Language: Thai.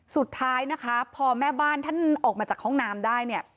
สุดท้ายนะคะพอแม่บ้านท่านออกมาจากห้องน้ำได้เนี่ย